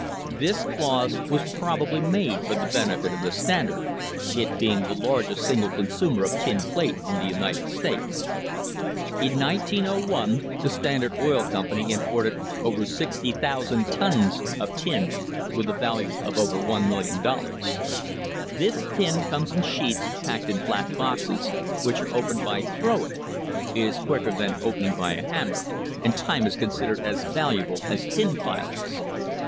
This clause was probably made for the benefit of the Standard, it being the largest single consumer of tin plate in the United States. In 1901 the Standard Oil Company im ported over 60,000 tons of tin with a value of over $1,000,000. This tin comes in sheets packed in flat boxes, which are opened by throwing it is quicker than opening by a hammer, and time is considered as valuable as tin filings.